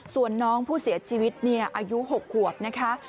ส่วนน้องผู้เสียชีวิตอายุ๖ขวบนะคะ